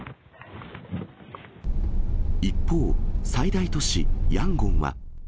一方、最大都市ヤンゴンは。